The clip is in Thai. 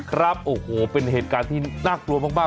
ครับโอ้โหเป็นเหตุการณ์ที่น่ากลัวมาก